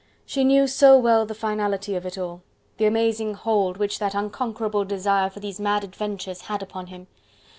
She knew so well the finality of it all, the amazing hold which that unconquerable desire for these mad adventures had upon him.